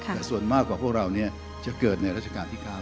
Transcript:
แต่ส่วนมากกว่าพวกเราจะเกิดในราชการที่๙